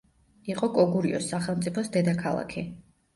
იყო კოგურიოს სახელმწიფოს დედაქალაქი.